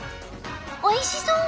おいしそう！